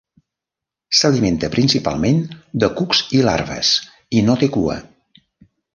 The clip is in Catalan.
S'alimenta principalment de cucs i larves i no té cua.